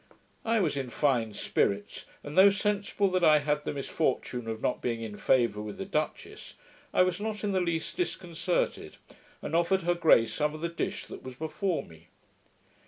I was in fine spirits; and though sensible that I had the misfortune of not being in favour with the duchess, I was not in the least disconcerted, and offered her grace some of the dish that was before me.